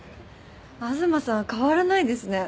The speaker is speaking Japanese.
東さんは変わらないですね。